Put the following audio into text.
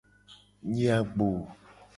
Nyi agbo.